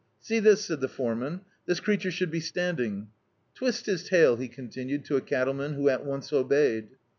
"See this," said the foreman, "this creature should be standing. Twist his tail," he continued, to a cattleman, who at once obeyed.